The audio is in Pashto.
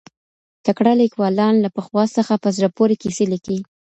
تکړه ليکوالان له پخوا څخه په زړه پوري کيسې ليکي.